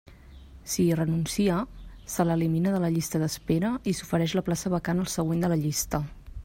Si hi renuncia, se l'elimina de la llista d'espera i s'ofereix la plaça vacant al següent de la llista.